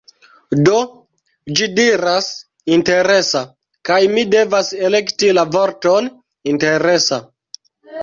Do, ĝi diras "interesa" kaj mi devas elekti la vorton "interesa"